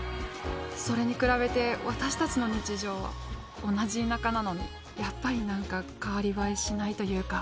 それに比べて私たちの日常は同じ田舎なのにやっぱり何か代わり映えしないというか。